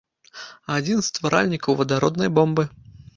Адзін з стваральнікаў вадароднай бомбы.